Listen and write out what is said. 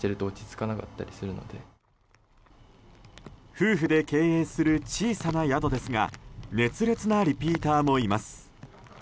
夫婦で経営する小さな宿ですが熱烈なリピーターもいます。